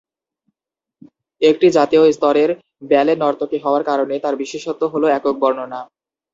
একটি জাতীয় স্তরের ব্যালে নর্তকী হওয়ার কারণে, তার বিশেষত্ব হ'ল একক বর্ণনা।